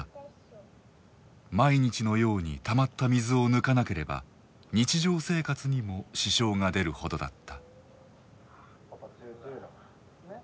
毎日のようにたまった水を抜かなければ日常生活にも支障が出るほどだった。